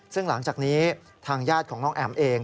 ซึ่งหลังจากนี้ทางญาติของน้องแอ๋มเอง